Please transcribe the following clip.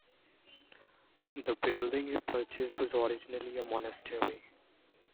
The building he purchased was originally a monastery.